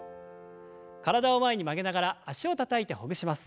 体を前に曲げながら脚をたたいてほぐします。